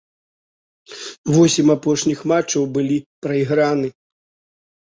Восем апошніх матчаў былі прайграны.